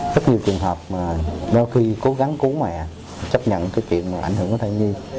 rất nhiều trường hợp mà đôi khi cố gắng cứu mẹ chấp nhận cái chuyện mà ảnh hưởng của thai nhi